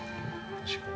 確かに。